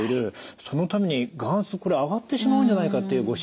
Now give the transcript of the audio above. そのために眼圧上がってしまうんじゃないかっていうご心配がある。